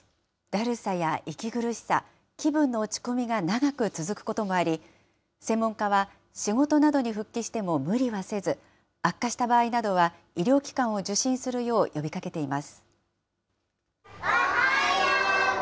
だるさや息苦しさ、気分の落ち込みが長く続くこともあり、専門家は、仕事などに復帰しても無理はせず、悪化した場合などは、医療機関を受診するよう呼びかけています。